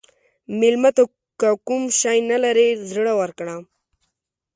مېلمه ته که کوم شی نه لرې، زړه ورکړه.